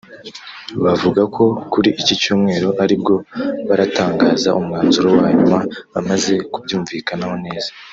bavuga ko kuri iki Cyumweru ari bwo baratangaza umwanzuro wa nyuma bamaze kubyumvikanaho neza